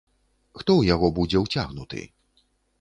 Хто ў яго будзе ўцягнуты?